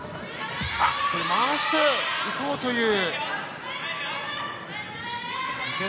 回していこうという。